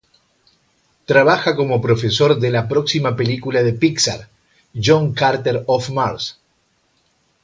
Trabaja como productor de la próxima película de Pixar "John Carter of Mars".